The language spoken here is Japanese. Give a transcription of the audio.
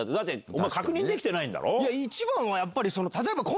お前確認できてないんだろ？